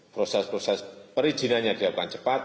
proses proses perizinannya dilakukan cepat